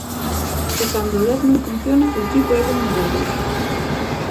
E cando o dez non funciona, o equipo é vulnerábel.